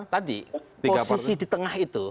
tadi posisi di tengah itu